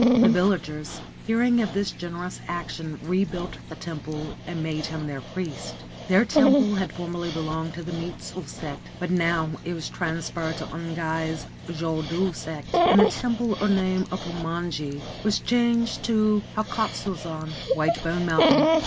The villagers, hearing of this generous action, rebuilt the temple and made him their priest. Their temple had formerly belonged to the Mitsu sect ; but now it was transferred to Ungai's ' Jo do ' sect, and the title or name of ' Fumonji ' was changed to ' Hakkotsuzan ' (White Bone Mountain).